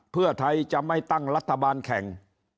เพื่อไทยจะไม่ตั้งรัฐบาลแข่ง